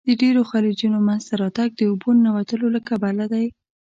د ډیرو خلیجونو منځته راتګ د اوبو ننوتلو له کبله دی.